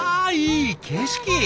いい景色！